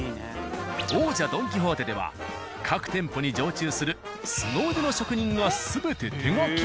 王者「ドン・キホーテ」では各店舗に常駐するスゴ腕の職人が全て手書き。